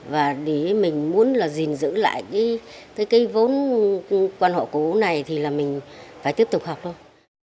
và để mình muốn là gìn giữ lại cái cái cái vốn quan họ cũ này thì là mình phải tiếp tục học thôi